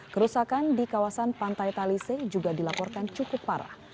kerusakan di kawasan pantai talise juga dilaporkan cukup parah